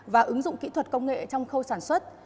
và ứng dụng kỹ thuật công nghệ trong khâu sản xuất